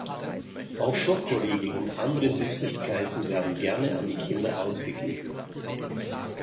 Auch Schokoriegel und andere Süßigkeiten werden gerne an die Kinder ausgegeben.